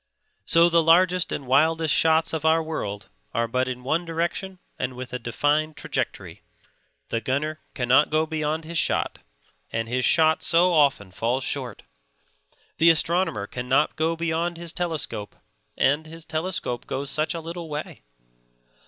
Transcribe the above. So the largest and wildest shots of our world are but in one direction and with a defined trajectory: the gunner cannot go beyond his shot, and his shot so often falls short; the astronomer cannot go beyond his telescope and his telescope goes such a little way.